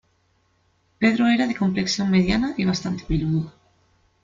Pedro era de complexión mediana y bastante peludo.